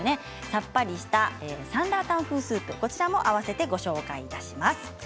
さっぱりしたサンラータン風スープも合わせてご紹介します。